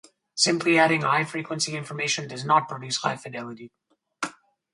Simply adding high frequency information does not produce high fidelity.